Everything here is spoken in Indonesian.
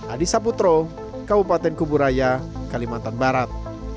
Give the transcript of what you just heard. adi saputro kabupaten kuburaya kalimantan barat